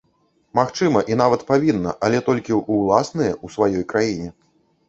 Магчыма і нават павінна, але толькі ў ўласныя, у сваёй краіне.